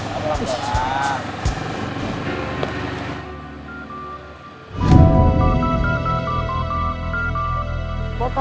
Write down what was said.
ya udah pelan pelan